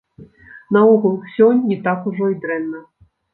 Наогул, усё не так ужо і дрэнна.